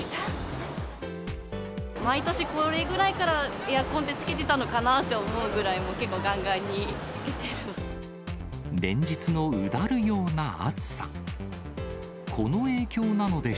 毎年、これぐらいからエアコンってつけてたのかなって思うぐらい、連日のうだるような暑さ。